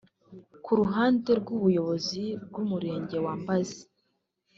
Ku ruhande rw’ ubuyobozi bw’ umurenge wa Mbazi